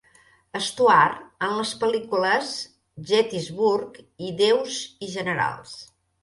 Stuart en les pel·lícules "Gettysburg" i "déus i generals".